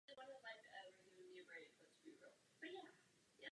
Nikoli, výsledky těchto snah jsou právě opačné.